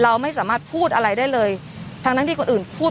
หลากหลายรอดอย่างเดียว